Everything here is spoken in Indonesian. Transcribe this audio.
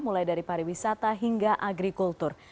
mulai dari pariwisata hingga agrikultur